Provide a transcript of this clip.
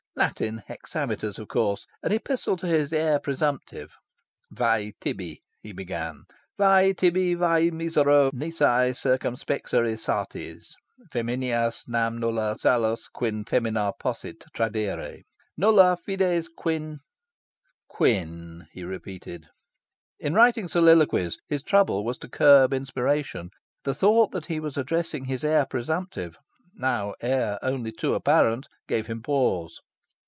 Latin hexameters, of course. An epistle to his heir presumptive... "Vae tibi," he began, "Vae tibi, vae misero, nisi circumspexeris artes Femineas, nam nulla salus quin femina possit Tradere, nulla fides quin" "Quin," he repeated. In writing soliloquies, his trouble was to curb inspiration. The thought that he was addressing his heir presumptive now heir only too apparent gave him pause.